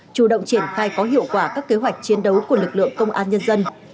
chủ động triển khai có hiệu quả các kế hoạch chiến đấu của lực lượng công an nhân dân